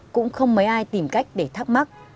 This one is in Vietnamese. cũng không mấy ai tìm cách để thắc mắc